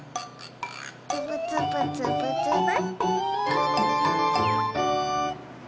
つぶつぶつぶつぶ。